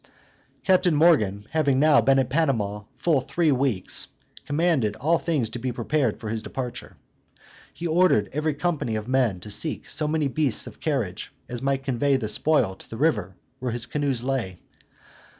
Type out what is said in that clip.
Captain Morgan having now been at Panama full three weeks, commanded all things to be prepared for his departure. He ordered every company of men to seek so many beasts of carriage as might convey the spoil to the river where his canoes lay.